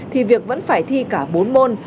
thì việc vẫn phải thi cả bốn môn